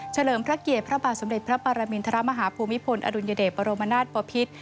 เลิมพระเกียรติพระบาทสมเด็จพระปรมินทรมาฮภูมิพลอดุลยเดชบรมนาศปภิษ